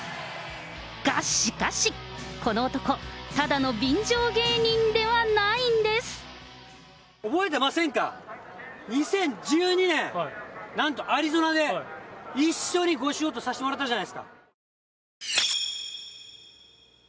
が、しかし、この男、覚えてませんか、２０１２年、なんと、アリゾナで一緒にお仕事させてもらったじゃないですか。